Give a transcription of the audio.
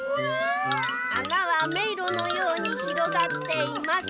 「あなはめいろのようにひろがっています。